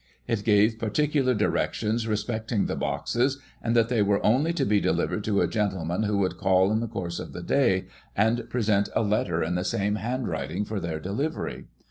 It gave particular directions respecting the boxes, and that they were only to be delivered to a gentleman who would call in the course of the day, and present a letter in the same handwriting for their delivery.